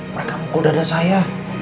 mereka mukul dada saya